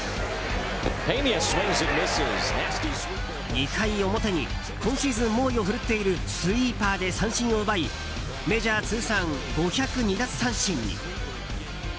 ２回表に今シーズン猛威を振るっているスイーパーで三振を奪いメジャー通算５０２奪三振に。